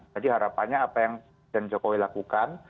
jadi harapannya apa yang jokowi lakukan